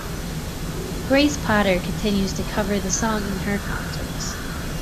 Grace Potter continues to cover the song in her concerts.